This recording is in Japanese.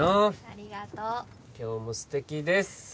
ありがとう今日も素敵です・